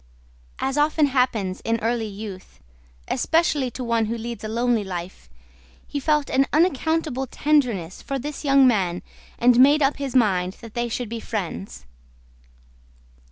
As often happens in early youth, especially to one who leads a lonely life, he felt an unaccountable tenderness for this young man and made up his mind that they would be friends.